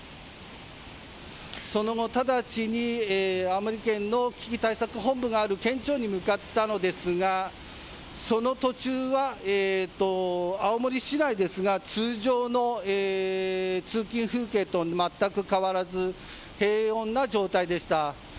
その後、直ちに青森県の危機対策本部がある県庁に向かったのですがその途中は青森市内ですが通常の通勤風景と全く変わらず平穏な状態でした。